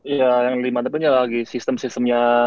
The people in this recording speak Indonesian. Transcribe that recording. iya yang dimantepinnya lagi sistem sistemnya